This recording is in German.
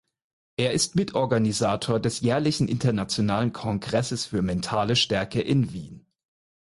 Er ist Mitorganisator des jährlichen internationalen "Kongresses für mentale Stärke" in Wien.